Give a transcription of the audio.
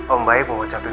om baik mau ucapkan